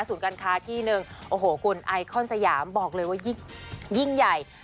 การค้าที่หนึ่งโอ้โหคุณไอคอนสยามบอกเลยว่ายิ่งใหญ่